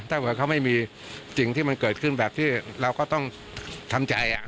ถ้าเกิดเขาไม่มีสิ่งที่มันเกิดขึ้นแบบที่เราก็ต้องทำใจ